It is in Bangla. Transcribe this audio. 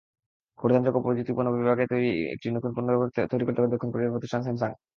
পরিধানযোগ্য প্রযুক্তিপণ্য বিভাগে নতুন একটি পণ্য তৈরি করতে পারে দক্ষিণ কোরিয়ার প্রতিষ্ঠান স্যামসাং।